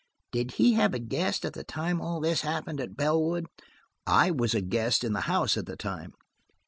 Did he have a guest at the time all this happened at Bellwood?" "I was a guest in the house at the time."